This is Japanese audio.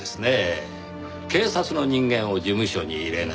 警察の人間を事務所に入れない。